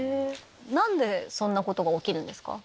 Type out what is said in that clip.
何でそんなことが起きるんですか？